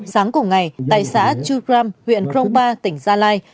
sáng cùng ngày tại xã chukram huyện krongpa tỉnh gia lai